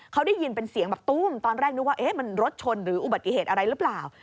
เขาได้ยินเป็นเสียงแบบตุ้มตอนแรกนึกว่ามันรถชนหรืออุบัติเหตุอะไรหรือเปล่า